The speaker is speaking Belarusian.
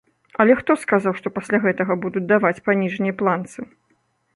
Але хто сказаў, што пасля гэтага будуць даваць па ніжняй планцы?